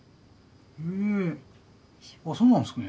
へぇあっそうなんですね。